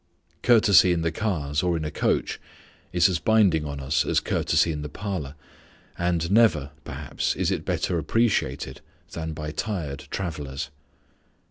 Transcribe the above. Courtesy in the cars or in a coach is as binding on us as courtesy in the parlor, and never, perhaps, is it better appreciated than by tired travellers.